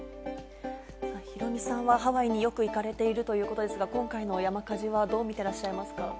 ヒロミさんはハワイによく行かれているということですが、今回の山火事はどう見ていらっしゃいますか？